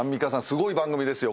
すごい番組ですよ